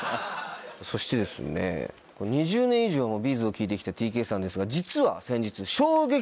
そしてですね２０年以上もＢ’ｚを聴いて来たＴＫさんですが実は先日。